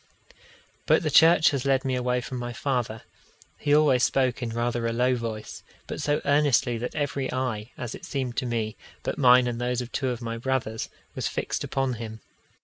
But the church has led me away from my father. He always spoke in rather a low voice, but so earnestly that every eye, as it seemed to me, but mine and those of two of my brothers, was fixed upon him.